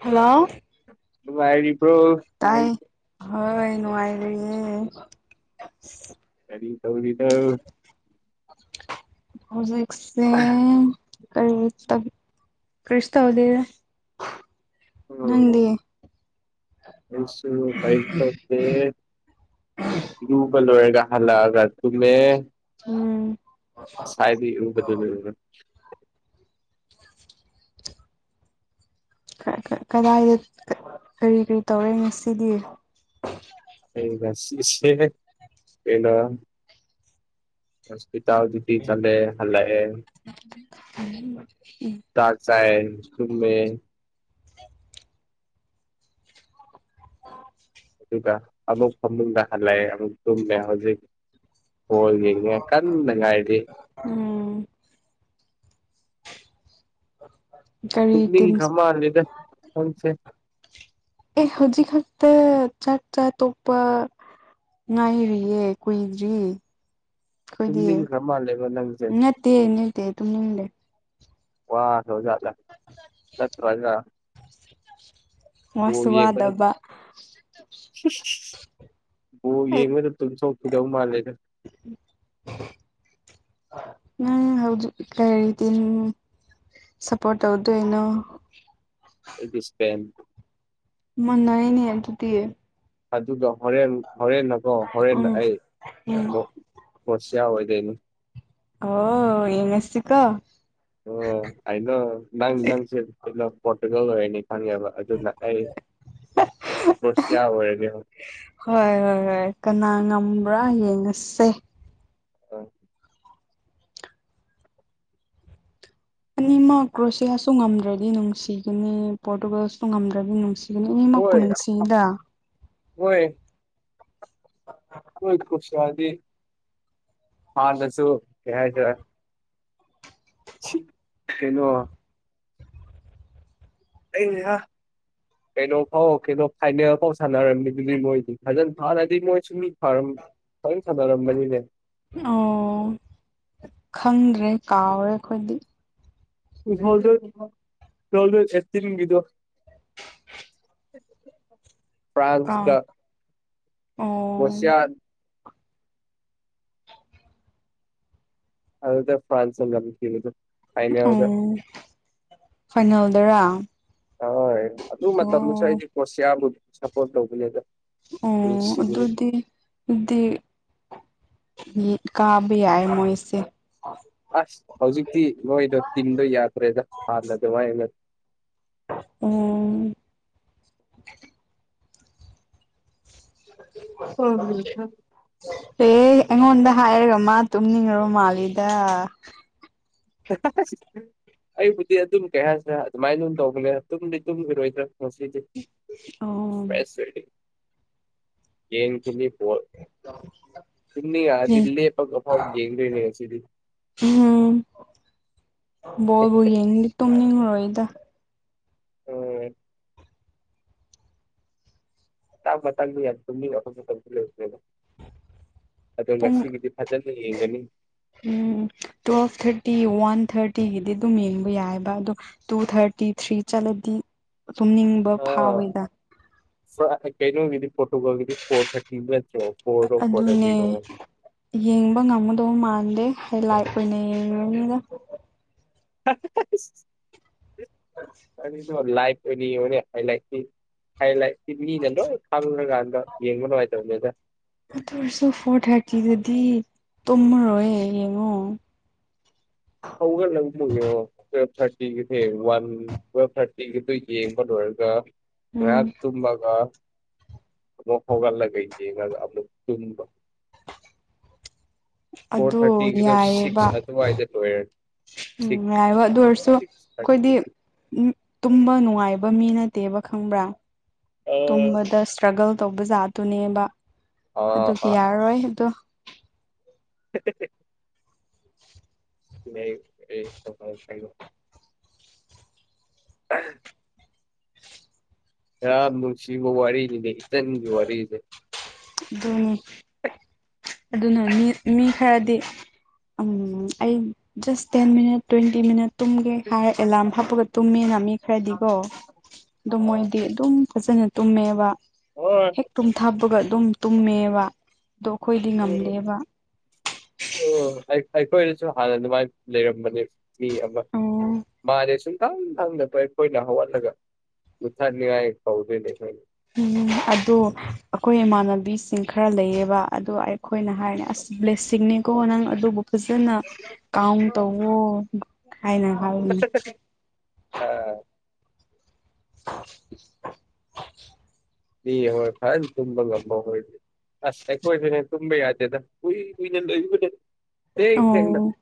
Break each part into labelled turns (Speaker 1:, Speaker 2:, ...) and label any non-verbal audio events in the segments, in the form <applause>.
Speaker 1: hello
Speaker 2: ꯥꯏ
Speaker 1: ꯇꯥꯏ ꯍꯣꯏ ꯅꯨꯡꯉꯥꯏꯔꯤꯌꯦ
Speaker 2: ꯇꯧꯔꯤꯗ
Speaker 1: ꯍꯧꯖꯤ
Speaker 2: ꯑ
Speaker 1: ꯀꯔꯤ ꯇ ꯀꯔꯤꯁ ꯇ ꯍꯗꯦꯗ ꯅꯪꯗꯤ
Speaker 2: ꯀꯁꯨ ꯀꯩꯁ ꯇꯦ ꯌꯨꯕꯜ ꯑꯣꯏꯦꯒ ꯍꯂꯑꯒ ꯇꯨꯃꯦ
Speaker 1: ꯎꯝ
Speaker 2: ꯁꯥꯏꯗꯤ ꯏ ꯗꯨ ꯂꯩ
Speaker 1: ꯀꯗꯥꯏꯗ ꯀꯔꯤ ꯀꯔꯤ ꯇꯧꯔꯦ ꯉꯁꯤꯗꯤ
Speaker 2: ꯑꯩ ꯉꯁꯤꯁ ꯀꯂ ꯍꯁꯄꯤꯇꯥ ꯑꯗꯨꯗꯤ ꯆꯂꯦ ꯍꯂꯦ ꯇꯥ ꯆ ꯑꯦ ꯇꯨꯃꯦ ꯑꯗꯨꯒ ꯑꯃꯨꯛ ꯐꯃꯨꯡꯗ ꯍꯜꯂꯛꯑꯦ ꯑꯃꯨꯛ ꯇꯨꯝꯃꯦ ꯍꯧꯖꯤꯛ ꯍꯣꯒꯦꯒ ꯀꯟ ꯉꯥꯏꯗꯤ
Speaker 1: <inaudible>
Speaker 2: ꯇ
Speaker 1: ꯇꯤꯝ
Speaker 2: ꯈꯃꯗ ꯀꯪꯁꯦ
Speaker 1: ꯑꯦ ꯍꯧꯖꯤꯛ ꯍꯧꯖꯤꯇ ꯆꯥꯛ ꯆꯥ ꯇꯣꯞꯄ ꯉꯔꯤꯌꯦꯦ ꯀꯏꯗ꯭ꯔꯤ ꯑꯩꯈꯣꯏꯗꯤ
Speaker 2: ꯇꯨꯝꯅꯤꯡꯈ꯭ꯔ ꯃꯥꯜꯂꯦꯕ ꯅꯪꯁꯦ
Speaker 1: ꯅꯠꯇꯦ ꯅꯇꯦ ꯇꯨꯝꯅꯤꯡꯂꯦ
Speaker 2: ꯋꯥ ꯁꯣꯖꯗ ꯆꯠꯇ꯭ꯔꯖ
Speaker 1: ꯋꯥꯁꯨꯋꯥꯗꯕ
Speaker 2: ꯑꯣ
Speaker 1: ꯑꯩ
Speaker 2: ꯌꯦꯡꯕꯗ ꯑꯗꯨꯝ ꯁꯣꯛꯈꯤꯗꯧ ꯃꯥꯜꯂꯦꯗ
Speaker 1: <unintelligible> ꯍꯧ ꯀꯔꯤꯔꯤꯇ ꯁꯄꯣꯔꯠ ꯇꯧꯗꯣꯏꯩꯅꯣ
Speaker 2: ꯗꯤ ꯏꯁꯄꯦꯟ
Speaker 1: ꯃꯅꯅꯤ ꯑ ꯇꯗꯤꯤ
Speaker 2: ꯑꯗꯨꯒ ꯍꯣꯔꯦꯟ ꯍꯣꯔꯦꯟꯟꯅꯀꯣ ꯍꯣꯔꯦꯟ
Speaker 1: ꯎꯝ ꯎꯝ
Speaker 2: ꯑꯩꯣꯠ ꯌꯥ ꯑꯣꯏꯣꯏ ꯀꯅꯤ
Speaker 1: ꯑꯣ ꯌꯦꯉꯁꯁꯤꯀꯣ
Speaker 2: ꯑꯣ ꯑꯩꯅꯣ ꯅꯪ ꯅꯪꯩꯅ ꯄꯣꯇꯒ ꯀꯅꯤ ꯈꯪꯉꯦꯕ ꯑꯗꯨꯅ ꯑꯩ ꯀ꯭ꯔꯣꯁꯤꯌꯥ ꯑꯣꯏꯔꯅꯤ
Speaker 1: ꯍꯣꯏ ꯍꯣꯏ ꯍ ꯀꯅꯥ ꯄꯨꯔꯥ ꯌꯦꯡꯉꯁꯦ
Speaker 2: ꯑ
Speaker 1: ꯑꯅꯤꯃꯛ ꯀ꯭ꯔꯣꯁꯤꯌꯥꯁꯨ ꯉꯝꯗ꯭ꯔꯗꯤ ꯅꯨꯡꯁꯤꯒꯅꯤ ꯄꯣꯔꯇꯨꯒꯜꯁꯨ ꯉꯝꯗ꯭ꯔꯗꯤ ꯅꯨꯡꯁꯤ ꯑꯗꯨ ꯑꯅꯤꯃꯛꯄꯨ ꯅꯨꯡꯁꯤꯗ
Speaker 2: ꯑꯣꯏꯣꯏ ꯀꯣꯏ ꯄꯨꯁꯤ ꯌꯥꯗꯤ ꯍꯥꯥ ꯅꯁꯨꯣ ꯀꯦ ꯆ ꯁꯤ ꯀꯩꯅꯣ ꯑꯩꯅꯦ ꯍꯥ ꯀꯩꯅꯣ ꯐꯥꯎ ꯀꯩꯅꯣ ꯐꯥꯏꯅꯦꯜ ꯐꯥꯎ ꯁꯥꯟꯅꯔꯝꯃꯤ ꯑꯗꯨꯗꯤ ꯃꯣꯏꯗꯤ ꯐꯖꯅ ꯐꯅꯗꯤ ꯃꯣꯏ ꯁꯨꯝꯃꯤ ꯐꯔ ꯐꯔ ꯁꯥꯗꯔꯝꯕꯅꯤꯁꯦ
Speaker 1: ꯑꯣ ꯈꯪꯗ꯭ꯔꯦ ꯀꯥꯎꯔꯦ ꯑꯩꯈꯣꯏꯗꯤ
Speaker 2: ꯍ ꯍꯣ ꯑꯦꯁꯤꯟꯗꯨ ꯐ꯭ꯔꯥꯟꯁꯀ
Speaker 1: ꯀꯥꯎ ꯑꯣ
Speaker 2: ꯃꯁꯤꯌꯥ ꯑꯗꯨꯗ ꯐ꯭ꯔꯥꯟꯁꯝ ꯀꯗ
Speaker 1: ꯎ ꯐꯥꯏꯅꯦꯜꯗꯔꯥ
Speaker 2: ꯍꯣꯏ ꯑꯗꯨ ꯃꯇꯝꯗꯨꯁꯨ
Speaker 1: ꯑꯣ
Speaker 2: ꯑꯩꯁꯦ ꯀꯣꯁꯤꯌꯥꯕꯨꯗꯤ ꯁꯞꯄꯣꯔꯠ ꯇꯧꯕꯅꯦꯗ
Speaker 1: ꯑꯣ
Speaker 2: ꯅꯨꯡꯁꯤꯕꯗꯣ
Speaker 1: ꯑꯗꯨꯗꯤ ꯑꯗꯨꯗꯤ ꯀꯥ ꯇꯏ ꯃꯔꯤꯁ
Speaker 2: ꯑꯁ ꯍꯧꯖꯤꯛꯇꯤ ꯃꯣꯏꯗꯣ ꯇꯤꯟꯗꯣ ꯌꯥꯗ꯭ꯔꯦꯗ ꯍꯥꯟꯅ ꯑꯗꯨꯃꯥꯏꯅ
Speaker 1: ꯎꯝ
Speaker 2: ꯍ ꯍꯝ ꯍ
Speaker 1: ꯑꯦ ꯑꯩꯉꯣꯟꯗ ꯍꯥꯏꯔꯒ ꯃꯥ ꯇꯨꯝꯅꯤꯡꯉꯣ ꯃꯥꯂꯤꯗ
Speaker 2: ꯑꯩꯕꯨꯗꯤ ꯑꯗꯨꯝ ꯀꯌꯥ ꯍꯥꯏꯁꯤꯅ ꯑꯗꯨꯃꯥꯏꯅ ꯑꯗꯨꯅ ꯇꯧꯕꯂꯦ ꯑꯗꯨꯝꯗꯤ ꯇꯨꯝꯂꯔꯣꯏꯗ꯭ꯔꯥ ꯁꯤ
Speaker 1: ꯑꯣ
Speaker 2: ꯏꯁꯄꯦꯁ ꯌꯦꯟ ꯋꯥ ꯏꯨꯝꯅꯤ ꯑꯗꯤ ꯂꯦꯞꯄꯛ ꯑꯐꯥꯎ ꯌꯦꯡꯗ꯭ꯣꯏꯅꯦ ꯑꯁꯤꯗꯤ
Speaker 1: ꯕꯣꯕꯣ ꯌꯦꯡꯗꯤ ꯇꯨꯝꯅꯤꯡꯉꯔꯣꯏꯗ
Speaker 2: ꯑꯣꯝ ꯃꯥꯡ ꯃ ꯃꯇꯥꯡ ꯋꯥ ꯂꯩ
Speaker 1: ꯑ
Speaker 2: ꯉꯁꯤꯒꯤꯗꯤ ꯐꯖꯅ ꯌꯦꯡꯒꯅꯤ
Speaker 1: ꯎ ꯇ꯭ꯨꯋꯜ ꯊꯔꯇꯤ ꯋꯥꯟ ꯊꯥꯔꯇꯤꯒꯤꯗꯤ ꯑꯗꯨꯝ ꯌꯦꯡꯕ ꯌꯥꯏꯑꯕ ꯑꯗꯣ ꯇꯨ ꯊꯥꯔꯇꯤ ꯊ꯭ꯔꯤ ꯆꯠꯂꯗꯤ ꯆꯨꯝꯅꯤꯡꯕ ꯐꯥꯎꯋꯤꯗ
Speaker 2: ꯀꯩꯅ ꯀ ꯐꯣꯇꯣꯒ꯭ꯔ ꯐꯣꯣꯔ ꯊꯔꯇꯤ ꯅ ꯐ ꯐꯣ ꯊꯔꯇ
Speaker 1: ꯑꯗꯨꯅꯦ
Speaker 2: ꯅ
Speaker 1: ꯌꯦꯡꯕ ꯉꯝꯒꯗꯧ ꯃꯥꯟꯗꯦ ꯍꯥꯏ ꯂꯥꯏ ꯑꯣꯏꯅ ꯌꯦꯡꯉꯉꯗ
Speaker 2: ꯀ ꯂꯥꯏꯐ ꯍꯥꯏ ꯍꯥꯏ ꯅꯗꯣ ꯈꯥꯡꯒ ꯌꯦꯡ ꯃ ꯍꯥꯏꯣꯏꯗ
Speaker 1: ꯑꯗꯨ ꯑꯣꯏꯔꯁꯨ ꯐꯣꯔ ꯊꯥꯔꯇꯤꯗꯗꯤ ꯇꯨꯝꯃꯔꯣꯏ ꯌꯦꯡꯉꯣ
Speaker 2: ꯍꯧꯒ ꯂꯪꯒꯦꯣ ꯊ ꯤꯒꯤꯁꯦ ꯋꯥꯟ ꯊꯥꯔꯇꯤꯒꯤꯗꯨ ꯌꯦꯡꯕ ꯂꯣꯏꯔꯒ ꯃ
Speaker 1: ꯎꯝ
Speaker 2: ꯇꯨꯝꯝꯕ ꯀ ꯍꯒ ꯂꯒꯩ ꯇ ꯐꯣꯔ
Speaker 1: ꯑꯗꯨ
Speaker 2: ꯊꯥꯔꯇꯤꯒꯤꯗꯣ
Speaker 1: ꯌꯥꯏꯑꯕ
Speaker 2: ꯁꯤꯛꯁ ꯑꯗꯨꯋꯥꯏꯗ ꯂꯣꯏꯔꯅꯤ
Speaker 1: ꯎꯝ
Speaker 2: ꯁꯤꯛꯁ
Speaker 1: ꯌꯥꯏꯕꯣ ꯑꯗꯨ ꯑꯣꯏꯔꯁꯨ
Speaker 2: ꯁꯤꯛꯁ ꯊꯥꯔꯇꯤ
Speaker 1: ꯑꯩꯈꯣꯏꯗꯤ ꯇꯨꯝꯕ ꯅꯨꯡꯉꯥꯏꯕ ꯃꯤ ꯅꯠꯇꯦꯕ ꯈꯪꯕ꯭ꯔꯥ
Speaker 2: ꯑꯥ
Speaker 1: ꯇꯨꯝꯕꯗ ꯏꯁꯇ꯭ꯔꯒꯜ ꯇꯧꯕ ꯖꯥꯗꯨꯅꯦꯕ
Speaker 2: ꯑꯥ
Speaker 1: ꯑꯗꯨꯒꯤ
Speaker 2: ꯑꯥ
Speaker 1: ꯌꯥꯔꯔꯣꯏ ꯑꯗꯣ
Speaker 2: <inaudible>
Speaker 1: <inaudible>
Speaker 2: ꯂꯩ ꯀꯣ <inaudible> ꯍ ꯃꯟꯁꯤꯃ ꯋꯥꯔꯤꯅꯤ ꯂꯩ ꯏꯇꯟꯒꯤ ꯋꯥꯔꯤꯁꯦ
Speaker 1: ꯅꯤ ꯑꯗꯨꯅ ꯃꯤ ꯃꯤ ꯈꯔꯗꯤ ꯎꯝ ꯑꯩ ꯖꯁ ꯇꯦꯟ ꯃꯤꯠ ꯇ꯭ꯋꯦꯟꯇꯤ ꯃꯤꯅꯤꯠ ꯇꯨꯝꯒꯦ ꯍꯥꯏꯔ ꯑꯦꯂꯥꯔꯝ ꯍꯥꯞꯄꯒ ꯇꯨꯝꯃꯦꯅ ꯃꯤ ꯈꯔꯗꯤꯀꯣ ꯑꯗꯨꯗꯣ
Speaker 2: ꯑꯥ
Speaker 1: ꯃꯣꯏꯗꯤ ꯑꯗꯨꯝ ꯐꯖꯅ ꯇꯨꯝꯃꯦꯕ
Speaker 2: ꯍꯣꯏ
Speaker 1: ꯍꯦꯛ ꯇꯨꯝꯊꯕꯒ ꯑꯗꯨꯝ ꯇꯨꯝꯃꯦꯕ ꯑꯗꯣ ꯑꯩꯈꯣꯏꯗꯤ
Speaker 2: ꯎꯝ
Speaker 1: ꯉꯝꯗꯦꯕ
Speaker 2: ꯎꯝ ꯑꯩꯈꯣꯏꯗꯁꯨ ꯍꯥꯟꯅ ꯑꯗꯨꯃꯥꯏꯅ ꯂꯩꯔꯝꯕꯅꯦ ꯃꯤ ꯑꯃ
Speaker 1: ꯑꯣ
Speaker 2: ꯃꯥꯅꯦ ꯁꯨꯝ ꯏꯊꯪ ꯊꯪꯗꯣ ꯑꯩꯈꯣꯏꯅ ꯍꯧꯒꯠꯂꯒ ꯃꯨꯊꯅꯤꯡꯉꯥꯏ ꯀꯧꯗꯣꯏꯅꯦ ꯑꯩꯈꯣꯏ
Speaker 1: ꯎꯝ ꯑꯗꯣ ꯑꯩꯈꯣꯏ ꯏꯃꯥꯟꯅꯕꯤꯁꯤꯡ ꯈꯔ ꯂꯩꯌꯦꯕ ꯑꯗꯣ ꯑꯩꯈꯣꯏꯅ ꯍꯥꯏꯔꯅꯦ ꯑꯁ ꯭ꯂꯦꯁꯤꯡꯅꯤꯀꯣ ꯅꯪ ꯑꯗꯨꯕꯨ ꯐꯖꯅ ꯀꯥꯎꯟ ꯇꯧꯋꯣ ꯍꯥꯏꯅ ꯍꯥꯏꯔꯤꯅꯤ
Speaker 2: ꯑ
Speaker 1: <inaudible>
Speaker 2: ꯏ ꯍꯣꯏ ꯐꯥꯏꯅ ꯇꯨꯝꯕ ꯉꯝꯝꯕ ꯍꯣꯏꯗꯤ ꯑꯁ ꯑꯩꯈꯣꯏ ꯇꯨꯝꯕꯩ ꯌꯥꯗꯦꯗ ꯊ ꯊ
Speaker 1: ꯑꯣ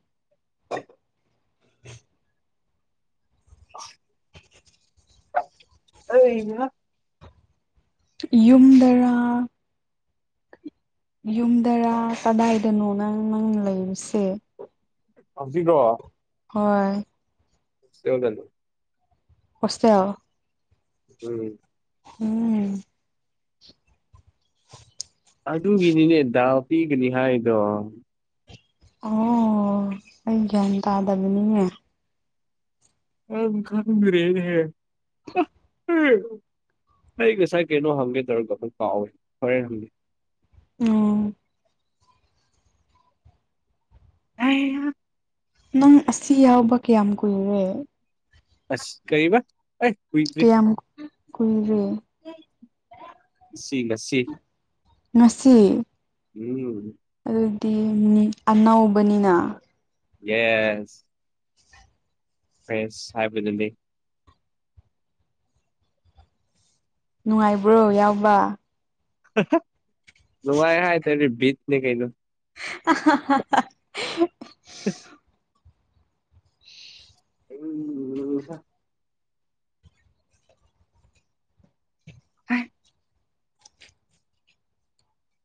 Speaker 2: ꯑꯣꯏ
Speaker 1: ꯌꯨꯝꯗꯔꯥ ꯌꯨꯝꯗꯔꯥ ꯀꯗꯥꯏꯗꯅꯣ ꯅꯪ ꯅꯪ ꯂꯩꯔꯨꯁꯦ
Speaker 2: ꯑꯖꯤꯗ
Speaker 1: ꯍꯣꯏ
Speaker 2: ꯁꯧ ꯅꯣ
Speaker 1: ꯍꯁꯦ
Speaker 2: ꯎꯝ
Speaker 1: ꯎꯝ
Speaker 2: ꯑꯗꯨꯒꯤꯅꯤꯅꯦ ꯗꯥꯎ ꯄꯤꯒꯅꯤ ꯍꯥꯏꯗꯣ
Speaker 1: ꯑꯣ ꯑꯩ ꯒ꯭ꯌꯥꯟ ꯇꯥꯗꯕꯅꯤꯉ
Speaker 2: ꯑ ꯈꯝ ꯔꯦ ꯍ ꯑꯩ ꯉꯁꯥꯏ ꯀꯩꯅꯣ ꯍꯪꯒꯦ ꯇꯧꯔꯒ ꯑꯃꯨꯛ ꯀꯥꯎꯋ ꯍꯣꯔꯦꯟ ꯍꯪꯒꯦ
Speaker 1: ꯎꯝ
Speaker 2: ꯑ
Speaker 1: ꯅꯪ ꯑꯁꯤ ꯌꯥꯎꯕ ꯀꯌꯥꯝ ꯀꯨꯏꯔꯦ
Speaker 2: ꯑꯁ ꯀꯔꯤꯕ ꯀꯨꯏꯗ꯭ꯔꯤ
Speaker 1: ꯀꯌꯥꯝ ꯀꯨꯏꯔꯦ
Speaker 2: ꯁꯤꯒ ꯁꯤ
Speaker 1: ꯉꯁꯤ
Speaker 2: ꯎꯝ
Speaker 1: ꯑꯗꯨꯗꯤ ꯃꯤ ꯑꯅꯧꯕꯅꯤꯅ
Speaker 2: ꯌꯦꯁ ꯐ ꯍꯥꯏꯥꯏꯕꯗꯗꯤ
Speaker 1: ꯅꯨꯡꯉꯥꯏꯕ꯭ꯔꯣ ꯌꯥꯎꯕ
Speaker 2: ꯅꯨꯡꯉꯥꯏ ꯍꯥꯏ ꯇꯔꯤ ꯤꯠꯅꯦ ꯀꯩꯅ
Speaker 1: ꯑ
Speaker 2: ꯎ ꯍꯁ ꯑ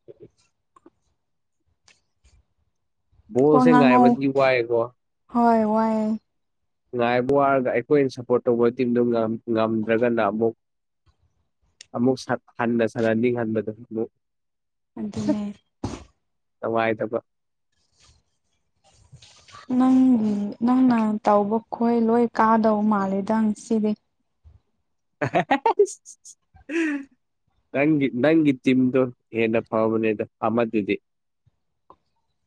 Speaker 1: ꯎ ꯋꯥ
Speaker 2: ꯣꯁꯦ
Speaker 1: ꯉꯥꯡꯉꯧ
Speaker 2: ꯉꯥꯏꯕꯗꯒꯤꯕꯨꯦꯀꯣ
Speaker 1: ꯍꯣꯏ ꯋꯥꯏꯦ
Speaker 2: ꯉꯥꯏꯕ ꯋꯥꯔꯒ ꯑꯩꯈꯣꯏꯅ ꯁꯞꯄꯣꯔꯠ ꯇꯧꯕ ꯇꯤꯝꯗꯨ ꯉꯝꯗ꯭ꯔꯒꯅ ꯑꯃꯨꯛ ꯑꯃꯨꯛ ꯍꯥꯟꯕ ꯁꯔꯥꯎꯟꯗꯤꯡ ꯍꯥꯟꯕꯗ ꯑꯃꯨꯛ
Speaker 1: ꯑꯗꯨꯅꯦ
Speaker 2: ꯅꯨꯡꯉꯥꯏꯗꯕ
Speaker 1: ꯅꯪꯒꯤ ꯅꯪꯅ ꯇꯧꯕ ꯈꯣꯏ ꯂꯣꯏ ꯀꯥꯗꯧ ꯃꯥꯂꯦꯗꯪ ꯁꯤꯗꯤ
Speaker 2: ꯎꯝ ꯅꯪꯒꯤ ꯅꯪꯒꯤ ꯇꯤꯝꯗꯣ ꯍꯦꯟꯅ ꯐꯕꯅꯦꯗ ꯑꯃꯗꯨꯗꯤ
Speaker 1: <unintelligible>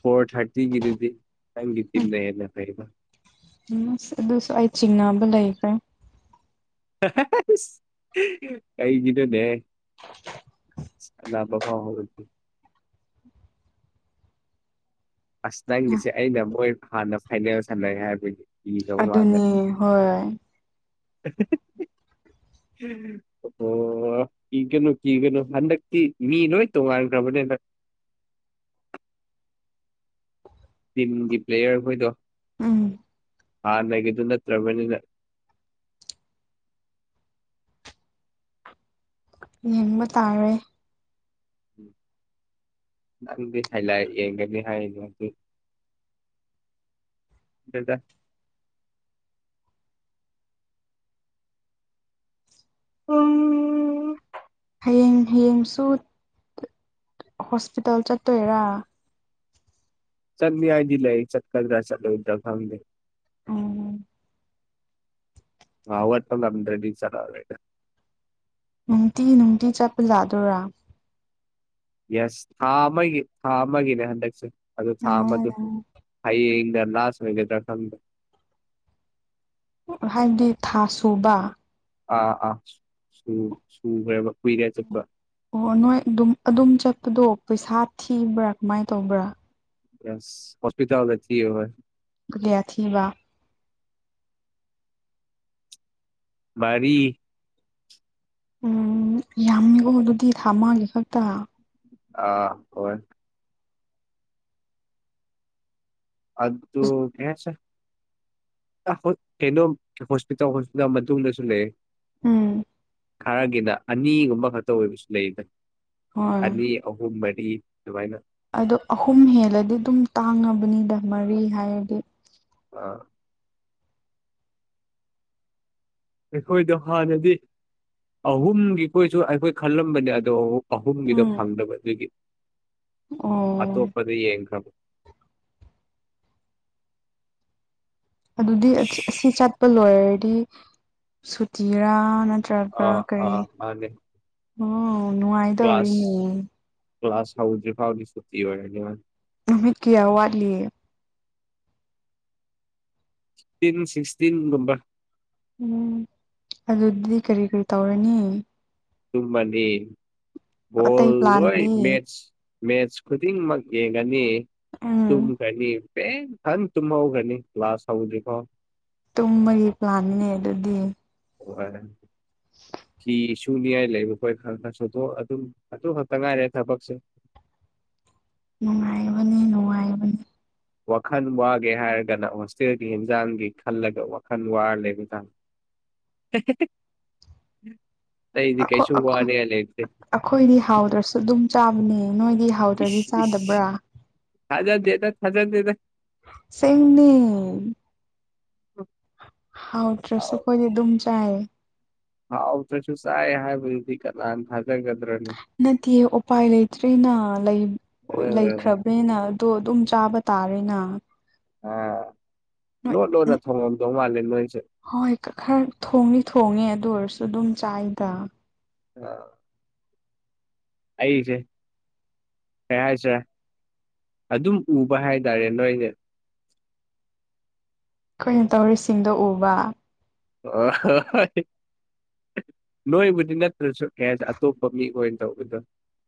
Speaker 2: ꯐꯣꯔ ꯊꯔꯇ ꯒꯤꯗꯤꯇꯅ ꯐꯕ
Speaker 1: ꯑꯗꯨꯁꯨ ꯑꯩꯥꯏ ꯆꯤꯡꯅꯥꯕ ꯂꯩ ꯂꯩꯀꯦ
Speaker 2: ꯀꯩ ꯀꯗ ꯅꯦ ꯑꯕꯕꯥꯥꯎꯕ ꯑꯁ ꯅꯪꯒꯤꯁꯦ ꯑꯩꯅ ꯃꯣꯏ ꯍꯥꯟꯅ ꯐꯥꯏꯅꯦꯜ ꯁꯥꯟꯅꯩꯦ ꯍꯥꯏꯕꯒꯤ ꯀꯤꯈ꯭ꯔꯕ ꯃꯥꯜꯂꯦ
Speaker 1: ꯑꯗꯨꯅꯤ ꯍꯣꯏ
Speaker 2: ꯑꯣ ꯏ ꯀꯩꯅꯣ ꯀ ꯀꯩꯅꯣ ꯍꯥꯟꯗ ꯃꯤ ꯅꯣꯏ ꯇꯣ ꯀ ꯃꯅꯤ
Speaker 1: <unintelligible>
Speaker 2: ꯇꯤꯝꯒꯤ ꯄ꯭ꯂꯦꯌꯔ ꯍꯈꯣꯏꯗꯣ
Speaker 1: ꯎꯝ
Speaker 2: ꯑꯥ ꯅꯒꯗꯤꯅ ꯇ꯭ꯔꯃꯦꯅꯤ
Speaker 1: ꯌꯦꯡꯕ ꯇꯥꯔꯦ
Speaker 2: ꯎꯝ ꯅꯪꯗꯤ ꯍꯥꯏ ꯂ ꯌꯦꯡꯒꯕꯤ ꯍꯥꯏ ꯑꯗꯨ ꯑꯗꯨꯗ ꯎꯝ
Speaker 1: ꯍꯌꯦꯡ ꯍꯌꯦꯡꯁꯨ ꯍꯣꯁꯄꯤꯇꯥꯜ ꯆꯠꯇꯣꯏꯔꯥ
Speaker 2: ꯆꯠꯅꯤ ꯍꯥꯏꯗꯤ ꯂꯩ ꯆꯠꯀꯗ꯭ꯔꯥ ꯆꯠꯂꯣꯏꯗ ꯈꯪꯗꯦ
Speaker 1: ꯎꯝ
Speaker 2: ꯑꯋꯥꯇꯣ ꯅꯟ꯭ꯔꯦ ꯆꯔꯔꯦꯗ
Speaker 1: ꯅꯨꯡꯇꯤ ꯅꯨꯡꯇꯤ ꯆꯠꯄꯂꯥꯗꯔꯥ
Speaker 2: ꯌꯦꯁ ꯊꯥ ꯑꯃꯒꯤ ꯊꯥ ꯑꯃꯒꯤꯅꯦ ꯍꯟꯗꯛꯁꯦ ꯑꯗꯨ ꯊꯥ ꯑꯃꯗꯣ ꯍꯌꯦꯡ ꯂꯥꯁ ꯃꯒꯦꯇꯈꯗ
Speaker 1: ꯍꯥꯏꯕꯗꯤ ꯊꯥ ꯁꯨꯕ
Speaker 2: ꯑꯥ ꯑꯥ ꯁꯨ ꯍꯕ
Speaker 1: ꯑꯣ ꯅꯣꯏ ꯑꯗꯨꯝ ꯑꯗꯨꯝ ꯆꯠꯄꯗꯣ ꯄꯩꯁꯥ ꯊꯤꯕ꯭ꯔꯥ ꯀꯃꯥꯏꯅ ꯇꯧꯕ꯭ꯔꯥ
Speaker 2: ꯌꯥꯁ ꯍꯣꯁꯄꯤꯇꯥꯜ ꯊ ꯍꯣꯏ
Speaker 1: ꯊꯕ
Speaker 2: ꯔꯤ
Speaker 1: ꯎꯝ ꯌꯥꯝꯃꯤꯀꯣ ꯑꯗꯨꯗꯤ ꯊꯥꯃꯦ ꯈꯛꯇ
Speaker 2: ꯑꯥ ꯍꯣꯏ ꯑꯨ ꯀꯦꯁ ꯀꯩꯅꯣ ꯍꯣꯁꯄꯤꯇꯥꯜ ꯍꯣꯁꯄꯤꯇꯥꯜ ꯃꯇꯨꯡꯗꯁꯨ ꯂꯩ
Speaker 1: ꯎꯝ
Speaker 2: ꯈꯔꯒꯤꯅ ꯑꯅꯤꯒꯨꯝꯕ ꯈꯛꯇ ꯑꯣꯏꯕꯁꯨ ꯂꯩꯗ
Speaker 1: ꯍꯣꯏ
Speaker 2: ꯑꯅꯤ ꯑꯍꯨꯝ ꯑꯩ ꯑꯗꯨꯨꯃꯥꯏꯅ
Speaker 1: ꯑꯗꯣ ꯑꯍꯨꯝ ꯍꯦꯜꯂꯗꯤ ꯑꯗꯨꯝ ꯇꯥꯡꯉꯕꯅꯤꯗ ꯃꯔꯤ ꯍꯥꯏꯔꯗꯤ
Speaker 2: ꯑꯥ ꯑꯩꯈꯣꯏꯗꯣ ꯍꯥꯟꯅꯗꯤ ꯑꯍꯨꯝꯒꯤꯈꯣꯏꯁꯨ ꯑꯩꯈꯣꯏ ꯈꯜꯂꯝꯕꯅꯦ ꯑꯗꯣ ꯑꯍꯨꯝꯒꯤꯗ
Speaker 1: ꯎꯝ
Speaker 2: ꯐꯪꯗꯕ ꯑꯗꯨꯒꯤ
Speaker 1: ꯑꯣ
Speaker 2: ꯑꯇꯣꯞꯄꯗꯤ ꯌꯦꯡꯈꯕ
Speaker 1: ꯑꯗꯨꯗꯤ ꯑꯁꯤ ꯆꯠꯄ ꯂꯣꯏꯔꯗꯤ ꯁꯨꯇꯤꯔꯥ ꯆꯔꯄ
Speaker 2: ꯑꯥ
Speaker 1: ꯀꯩ
Speaker 2: ꯑꯥ
Speaker 1: ꯎ
Speaker 2: ꯃꯥꯅꯦ ꯀ꯭ꯂꯥꯁ
Speaker 1: ꯅꯅꯨꯡꯉꯥꯏꯗꯅꯤ
Speaker 2: ꯀ꯭ꯂꯥꯁ ꯍꯧꯗ꯭ꯔꯤ ꯐꯥꯎꯗꯤ ꯁꯨꯇꯤ ꯑꯣꯏꯔꯅꯤ
Speaker 1: ꯅꯨꯃꯤꯠ ꯀꯌꯥ ꯋꯥꯠꯂꯤ
Speaker 2: ꯐꯤꯐꯇꯤꯟ ꯁꯤꯛꯁꯇꯤꯟꯒꯨꯝꯕ
Speaker 1: ꯎꯝ ꯑꯗꯨꯗꯤ ꯀꯔꯤ ꯀꯔꯤ ꯇꯧꯔꯅꯤ
Speaker 2: ꯑꯗꯨ ꯃꯅꯤ ꯣ
Speaker 1: ꯑꯇꯩ
Speaker 2: ꯍꯣꯏ
Speaker 1: ꯄ꯭ꯂꯥꯟꯗꯤ
Speaker 2: ꯃꯦꯠꯁ ꯃꯦꯠꯁ ꯈꯨꯗꯤꯡꯃꯛ ꯌꯦꯡꯒꯅꯤ
Speaker 1: ꯎꯝ
Speaker 2: ꯇꯨꯝꯒꯅꯤ ꯍꯪ ꯇꯨꯝ ꯍꯧꯧꯈ꯭ꯔꯅꯤ ꯀ꯭ꯂꯥꯁ ꯍꯧꯗ꯭ꯔꯤꯀꯣ
Speaker 1: ꯇꯨꯝꯕꯒꯤ ꯄ꯭ꯂꯥꯟꯅꯦ ꯑꯗꯨꯗꯤ
Speaker 2: ꯍꯔꯦ ꯀꯤ ꯁꯨꯅꯤꯉꯥꯏ ꯂꯩꯕ ꯑꯩꯈꯣꯏ ꯈꯔꯅꯁꯨꯗꯣ ꯑꯗꯨꯝ ꯑꯗꯨ ꯈꯛꯇ ꯉꯥꯏꯔꯦ ꯊꯕꯛꯁꯦ
Speaker 1: ꯅꯨꯡꯉꯥꯏꯕꯅꯤ ꯅꯨꯡꯉꯥꯏꯕꯅꯤ
Speaker 2: ꯋꯥꯈꯜ ꯋꯥꯒꯦ ꯍꯥꯏꯔꯒꯅ ꯍꯣꯁꯇꯦꯜꯒꯤ ꯍꯦꯟꯖꯥꯡꯒꯤ ꯈꯜꯂꯒ ꯋꯥꯈꯜ ꯋꯥꯔ ꯂꯩꯦꯕꯇꯥꯥ <unintelligible>
Speaker 1: ꯣꯏ ꯑꯩꯈꯣꯏꯗꯤ ꯍꯥꯎꯗ꯭ꯔꯁꯨ ꯑꯗꯨꯝ ꯆꯥꯕꯅꯦ ꯅꯣꯏꯗꯤ ꯍꯥꯎꯗ꯭ꯔꯗꯤ ꯆꯥꯗꯕ꯭ꯔꯥ
Speaker 2: ꯍꯖ ꯌꯦꯗ ꯍꯖ ꯌꯦꯗ
Speaker 1: ꯁꯦꯡꯅꯤ ꯍꯥꯎꯠꯇ꯭ꯔꯁꯨꯈꯣꯏꯗꯤ ꯑꯗꯨꯝ ꯆꯌꯦ
Speaker 2: ꯍꯥꯎ ꯇꯁꯨ ꯆꯥꯏ ꯍꯥꯏꯕꯗꯤ ꯀꯅꯥ ꯊꯥꯖꯪꯒ
Speaker 1: ꯅꯠꯇꯦ ꯎꯄꯥꯏ ꯂꯩꯇ꯭ꯔꯦꯅ
Speaker 2: ꯑꯥ
Speaker 1: ꯂꯩꯈ꯭ꯔꯕ꯭ꯔꯦꯅ ꯇꯣ ꯑꯗꯨꯝ ꯆꯥꯕ ꯇꯥꯔꯦꯅ
Speaker 2: ꯑꯥ
Speaker 1: ꯅꯣꯏ
Speaker 2: ꯂꯣ ꯂꯣ ꯅ ꯊꯉꯗ ꯃꯥꯂ
Speaker 1: ꯍꯣꯏ ꯈꯔ ꯊꯣꯡꯉ ꯊꯣꯡꯉꯦ ꯑꯗꯨ ꯑꯣꯏꯔꯁꯨ ꯑꯗꯨꯝ ꯆꯥꯏꯗ
Speaker 2: ꯑꯥ ꯑꯩꯁ ꯀꯁ ꯑꯗꯨꯝ ꯎꯕ ꯍꯥꯏ ꯇꯔꯦ ꯅꯣꯏꯅꯦ
Speaker 1: ꯑꯩꯈꯣꯏꯅ ꯇꯧꯔꯤꯁꯤꯡꯗꯣ ꯎꯕ
Speaker 2: ꯑ ꯍ ꯍ ꯅꯣꯏꯕꯨꯗꯤ ꯅꯠꯇ꯭ꯔꯁꯨ ꯀꯩ ꯍꯥꯏꯁꯦ ꯑꯇꯣꯞꯄ ꯃꯤ ꯑꯣꯏꯅ ꯇꯧꯕꯗꯣ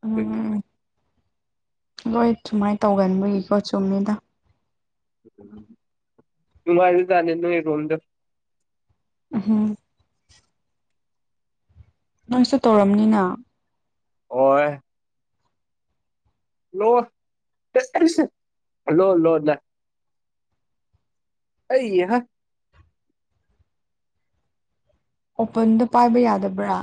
Speaker 2: ꯑꯗꯨꯒꯤ
Speaker 1: ꯍꯣꯏ ꯁꯨꯃꯥꯏꯅ ꯇꯧꯒꯟꯕꯨꯒꯤꯀꯣ ꯆꯨꯝꯅꯤꯗ
Speaker 2: ꯃ ꯇꯅꯤꯅꯔꯣꯗ
Speaker 1: ꯎꯝ ꯅꯪꯁꯨ ꯇꯧꯔꯝꯅꯤꯅ
Speaker 2: ꯑꯣ ꯂꯣ ꯂꯣ ꯂꯣ ꯂ ꯑꯩ ꯍꯥ
Speaker 1: ꯑꯣꯄꯟꯗ ꯄꯥꯏꯕ ꯌꯥꯗꯕ꯭ꯔꯥ